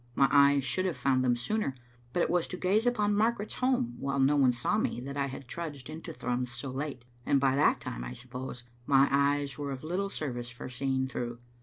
My eyes should have found them sooner, but it was to gaze upon Margaret's home, while no one saw me, that I had trudged into Thrums so late, and by that time, I suppose, my eyes were of little service for seeing through.